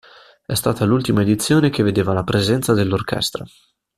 È stata l'ultima edizione che vedeva la presenza dell'orchestra.